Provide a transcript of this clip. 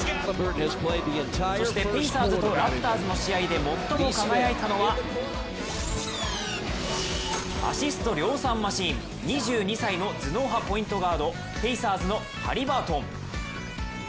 そしてペイサーズとラプターズの試合で、最も輝いたのはアシスト量産マシン、２２歳の頭脳派ポイントガード、ペイサーズのハリバートン。